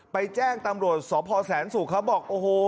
ไปแจ้งตำโหลฯศพแสนสุกครับบอกโอ้โห